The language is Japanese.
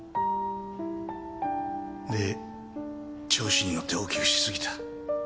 で調子に乗って大きくしすぎた。